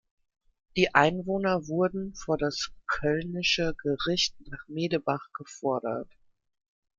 Die Einwohner wurden vor das kölnische Gericht nach Medebach gefordert.